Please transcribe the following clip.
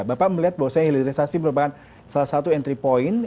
bapak melihat bahwasannya hilirisasi merupakan salah satu entry point